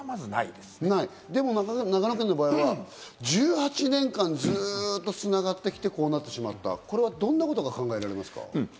でも長野県の場合は１８年間、ずっと繋がってきてこうなってしまった、どんな事が考えられますか？